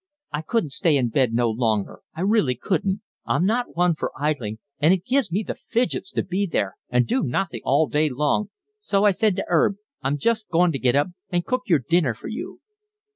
"I couldn't stay in bed no longer, I really couldn't. I'm not one for idling, and it gives me the fidgets to be there and do nothing all day long, so I said to 'Erb, I'm just going to get up and cook your dinner for you."